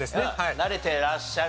慣れてらっしゃる。